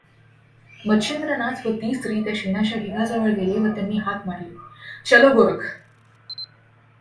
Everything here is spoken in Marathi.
मच्छिंद्रनाथ व ती स्त्री त्या शेणाच्या ढिगाजवळ गेले व त्यांनी हाक मारली चलो गोरख!